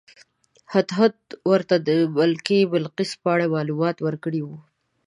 هدهد ورته د ملکې بلقیس په اړه معلومات ورکړي وو.